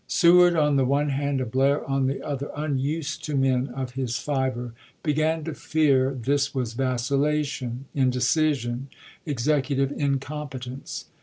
Seward on the one hand, and Blair on the other, unused to men of his fiber, began to fear this was vacilla tion, indecision, executive incompetence.